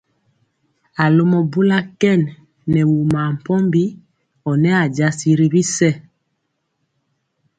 A lomɔ bula kɛn nɛ wumaa mpɔmbi ɔ nɛ a jasi ri bisɛ.